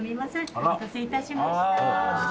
「お待たせいたしました」